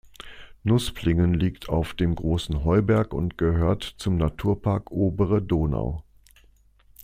Nusplingen liegt auf dem Großen Heuberg und gehört zum Naturpark Obere Donau.